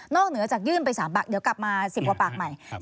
เหนือจากยื่นไป๓ปากเดี๋ยวกลับมา๑๐กว่าปากใหม่